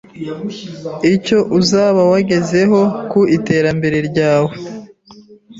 icyo uzaba wagezeho ku iterambere ryawe